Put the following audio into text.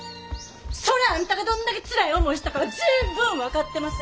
そらあんたがどんだけつらい思いしたかは十分分かってます。